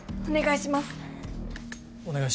お願いします。